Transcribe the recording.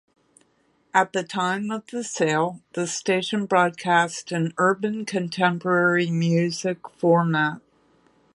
At the time of the sale, the station broadcast an urban contemporary music format.